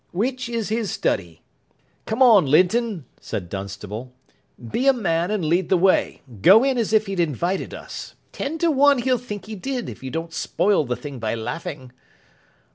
"Which is his study?" "Come on, Linton," said Dunstable. "Be a man, and lead the way. Go in as if he'd invited us. Ten to one he'll think he did, if you don't spoil the thing by laughing."